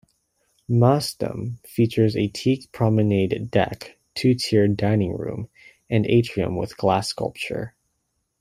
"Maasdam" features a teak promenade deck, two-tiered dining room, and atrium with glass sculpture.